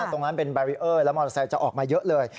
ตรงนั้นเป็นแบรีเออร์แล้วมอเตอร์ไซค์จะออกมาเยอะเลย